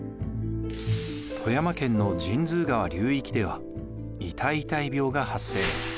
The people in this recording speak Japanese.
富山県の神通川流域ではイタイイタイ病が発生。